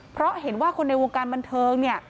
เพราะเห็นว่าคนในวงการบันเทิงเนี่ย